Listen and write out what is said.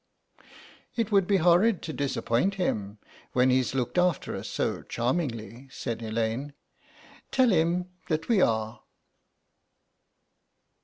'" "It would be horrid to disappoint him when he's looked after us so charmingly," said Elaine; "tell him that we are."